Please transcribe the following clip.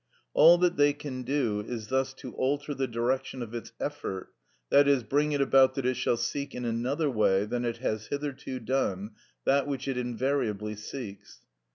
All that they can do is thus to alter the direction of its effort, i.e., bring it about that it shall seek in another way than it has hitherto done that which it invariably seeks.